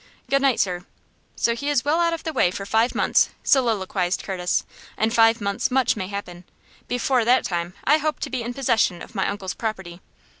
"Good night, sir." "So he is well out of the way for five months!" soliloquized Curtis. "In five months much may happen. Before that time I hope to be in possession of my uncle's property.